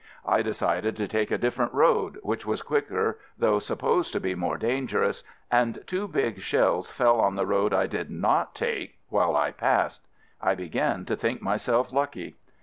I de cided to take a different road, which was quicker, though supposed to be more dan gerous, and two big shells fell on the road I did not take while I passed. I began to think myself lucky.